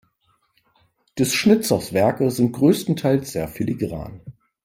Des Schnitzers Werke sind größtenteils sehr filigran.